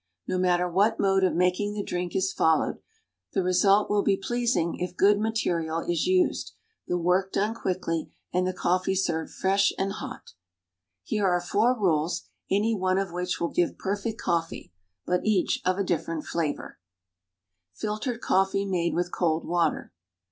No matter what mode of making the drink is followed, the result will be pleasing if good material is used, the work done quickly, and the coffee served fresh and hot. Here are four rules, any one of which will give perfect coffee, but each of a different flavor: FILTERED COFFEE MADE WITH COLD WATER.